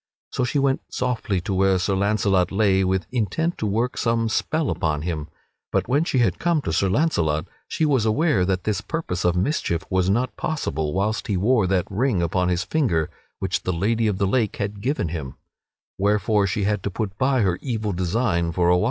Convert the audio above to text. So she went softly to where Sir Launcelot lay with intent to work some such spell upon him. But when she had come to Sir Launcelot she was aware that this purpose of mischief was not possible whilst he wore that ring upon his finger which the Lady of the Lake had given him; wherefore she had to put by her evil design for a while.